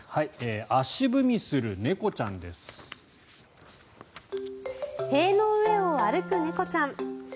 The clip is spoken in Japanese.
足踏みする猫ちゃんです。